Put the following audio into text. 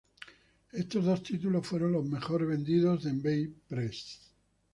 Estos dos títulos fueron los mejor vendidos de Bay Press.